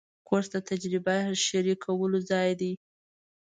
کورس د تجربه شریکولو ځای دی.